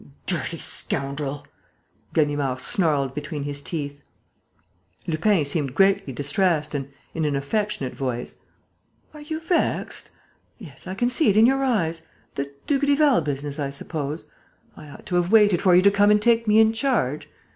"You dirty scoundrel!" Ganimard snarled between his teeth. Lupin seemed greatly distressed and, in an affectionate voice: "Are you vexed? Yes, I can see it in your eyes.... The Dugrival business, I suppose? I ought to have waited for you to come and take me in charge?...